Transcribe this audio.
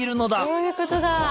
そういうことだ！